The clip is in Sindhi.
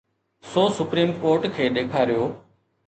سو سپريم ڪورٽ کي ڏيکاريو.